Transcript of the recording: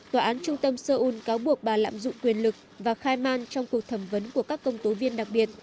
tòa án trung tâm seoul cáo buộc bà lạm dụng quyền lực và khai man trong cuộc thẩm vấn của các công tố viên đặc biệt